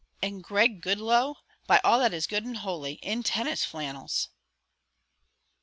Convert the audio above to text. "And Greg Goodloe, by all that is good and holy in tennis flannels!"